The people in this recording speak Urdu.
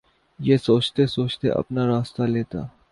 یہ سوچتے سوچتے اپنا راستہ لیتا